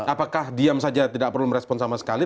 apakah diam saja tidak perlu merespon sama sekali